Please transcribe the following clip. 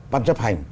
bán chấp hành